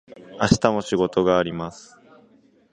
明日も仕事があります。